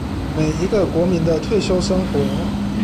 每一個國民的退休生活